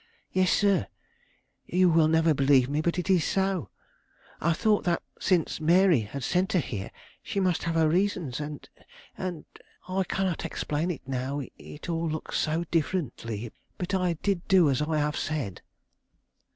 "Yes, sir; you will never believe me, but it is so. I thought that, since Mary had sent her here, she must have her reasons; and and I cannot explain it now; it all looks so differently; but I did do as I have said."